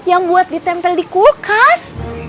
yang buat ditempel di kulkas